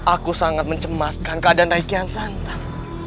aku sangat mencemaskan keadaan rai kian santam